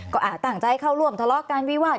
ก็ตั้งใจเข้าร่วมทะเลาะการวิวาส